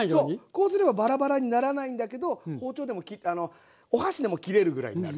こうすればバラバラにならないんだけどお箸でも切れるぐらいになると。